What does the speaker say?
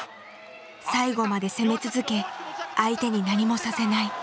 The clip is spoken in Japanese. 最後まで攻め続け相手に何もさせない。